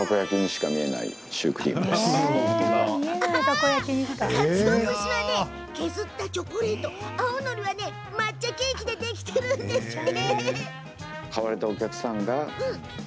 かつお節は、削ったチョコレート青のりは、抹茶ケーキでできているんですって。